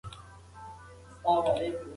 صادرات بايد زيات سي.